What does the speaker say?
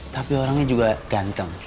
tapi orangnya juga ganteng